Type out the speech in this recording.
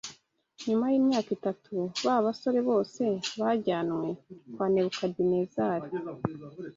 Nyuma y’imyaka itatu ba basore bose bajyanywe kwa Nebukadinezari